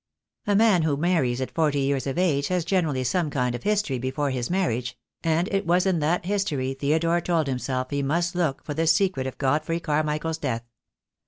A man who marries at forty years of age has generally some kind of history before his marriage; and it was in that history Theodore told himself he must look for the secret of Godfrey CarmichaePs death.